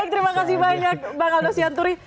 terima kasih banyak bang aldo sianturi